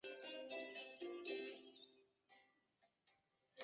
皱褶大蟾蟹为梭子蟹科大蟾蟹属的动物。